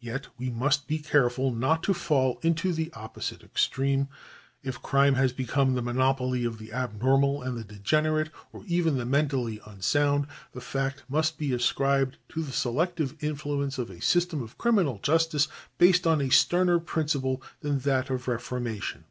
Yet we must be careful not to fall into the opposite extreme. If crime has become the monopoly of the abnormal and the degenerate or even the mentally unsound, the fact must be ascribed to the selective influence of a system of criminal justice based on a sterner principle than that of reformation.